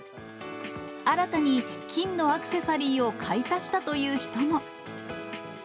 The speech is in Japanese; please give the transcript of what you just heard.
新たに金のアクセサリーを買い足したという人も。